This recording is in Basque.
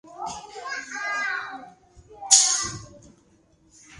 Lege-proiektua osorik atzera botatzea aldarrikatu dute.